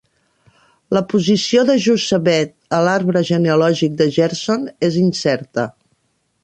La posició de Jochebed a l'arbre genealògic de Gershon és incerta.